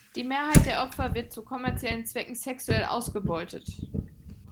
Die Mehrheit der Opfer wird zu kommerziellen Zwecken sexuell ausgebeutet.